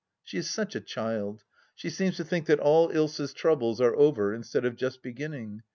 She is such a child. She seems to think that all Usa's troubles are over instead of just beginning.